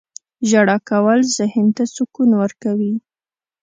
• ژړا کول ذهن ته سکون ورکوي.